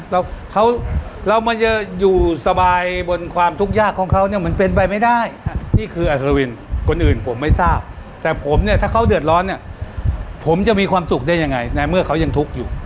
เราเขาเรามันจะอยู่สบายบนความทุกข์ยากของเขาเนี่ยมันเป็นไปไม่ได้นี่คืออัศวินคนอื่นผมไม่ทราบแต่ผมเนี่ยถ้าเขาเดือดร้อนเนี่ยผมจะมีความสุขได้ยังไงในเมื่อเขายังทุกข์อยู่